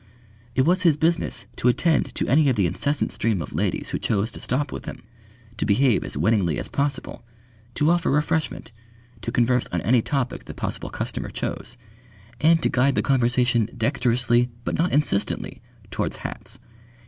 It was his business to attend to any of the incessant stream of ladies who chose to stop with him, to behave as winningly as possible, to offer refreshment, to converse on any topic the possible customer chose, and to guide the conversation dexterously but not insistently towards hats.